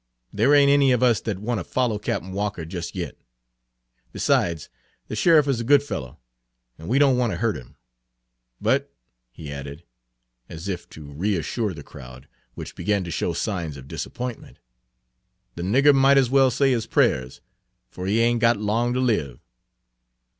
There ain't any of us that want to follow Cap'n Walker jest yet. Besides, the sheriff is a good fellow, and we don't want to hurt 'im. But," he added, as if to reassure the crowd, which began to show signs of disappointment, "the nigger might as well say his prayers, for he ain't got long to live."